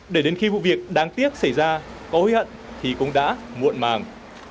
để đến khi vụ việc đáng tiếc xảy ra có hối hận thì cũng đã muộn màng